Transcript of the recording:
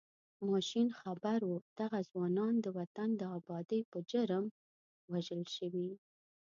ماشین خبر و دغه ځوانان د وطن د ابادۍ په جرم وژل شوي.